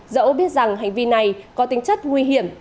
dẫu biết rằng hành vi này có tính chất nguy hiểm